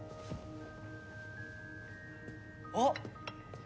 あっ！